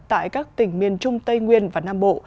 tại các tỉnh miền trung tây nguyên và nam bộ